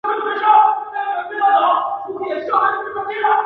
垂直风切变的持续影响使系统的深对流消散殆尽。